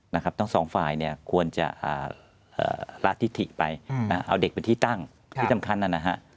ทั้งสองฝ่ายเนี่ยควรจะละทิถิไปเอาเด็กเป็นที่ตั้งที่สำคัญนะฮะ